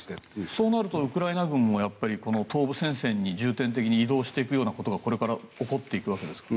そうなるとウクライナ軍も東部戦線に重点的に移動していくようなことがこれから起こっていくわけですか？